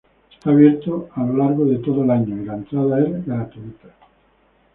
Está abierto a lo largo de todo el año y la entrada es gratuita.